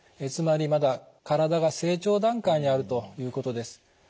つまりまだ体が成長段階にあるということです。